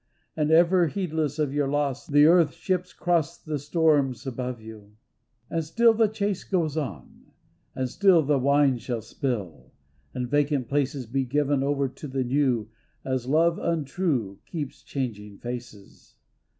And ever heedless of your loss The earth ships cross the storms above you. 286 THE LANAWN SHEE " And still the chase goes on, and still The wine shall spill, and vacant places Be given over to the new As love untrue keeps changing faces.